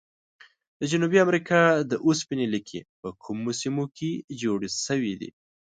د جنوبي امریکا د اوسپنې لیکي په کومو سیمو کې جوړې شوي دي؟